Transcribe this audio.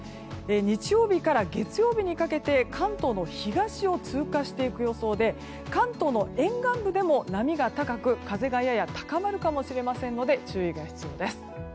日曜日から月曜日にかけて関東の東を通過していく予想で関東の沿岸部でも波が高く風がやや高まるかもしれませんので注意が必要です。